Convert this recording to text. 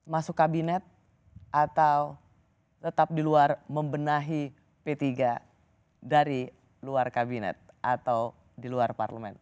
masuk kabinet atau tetap di luar membenahi p tiga dari luar kabinet atau di luar parlemen